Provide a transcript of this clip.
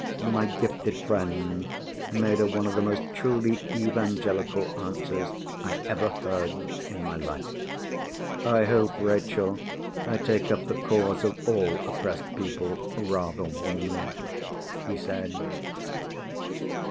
My gifted friend made her one of the most truly evangelical answers I ever heard in my life. "I hope, Rachel, I take up the cause of all oppressed people rather warmly," he said.